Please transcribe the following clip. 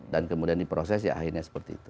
dan kemudian di proses ya akhirnya seperti itu